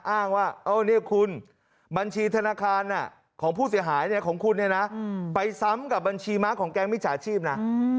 อ้างว่าคุณบัญชีธนาคารของผู้เสียหายของคุณเนี่ยนะไปซ้ำกับบัญชีม้าของแก๊งมิจฉาชีพนะ